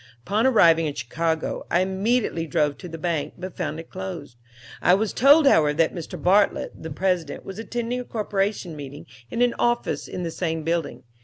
"Upon arriving in Chicago I immediately drove to the bank, but found it closed. I was told, however, that Mr. Bartlet, the president, was attending a corporation meeting in an office in the same building.